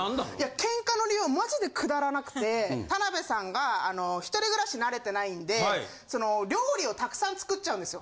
ケンカの理由はマジでくだらなくて田辺さんがひとり暮らし慣れてないんで料理をたくさん作っちゃうんですよ。